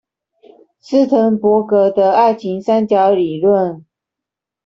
斯騰伯格的愛情三角理論